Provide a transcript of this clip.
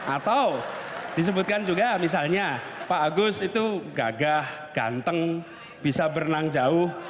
atau disebutkan juga misalnya pak agus itu gagah ganteng bisa berenang jauh